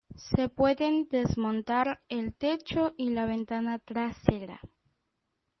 Se pueden desmontar el techo y la ventana trasera.